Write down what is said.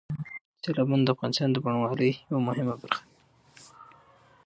سیلابونه د افغانستان د بڼوالۍ یوه مهمه برخه ده.